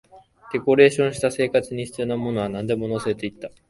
デコレーションした、生活に必要なものはなんでも乗せていった